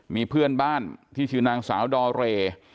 มีเพื่อนบ้านที่ชื่อนางสาวดอเรย์